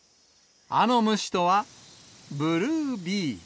あの虫とはブルービー。